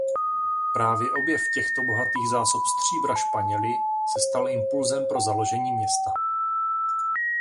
Právě objev těchto bohatých zásob stříbra Španěly se stal impulzem pro založení města.